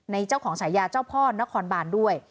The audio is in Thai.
ในเจ้าของสายยาเจ้าพ่อนและคอนบานด้วย